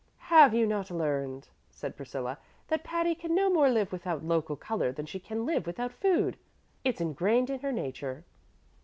"Have you not learned," said Priscilla, "that Patty can no more live without local color than she can live without food? It's ingrained in her nature."